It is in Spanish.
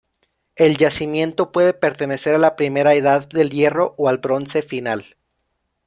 El yacimiento puede pertenecer a la Primera Edad del Hierro o al Bronce Final.